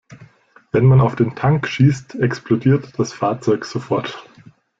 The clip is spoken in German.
Wenn man auf den Tank schießt, explodiert das Fahrzeug sofort.